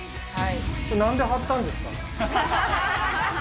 なんで貼ったんですか？